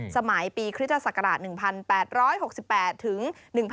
สมัยปีคริสตศักราช๑๘๖๘ถึง๑๕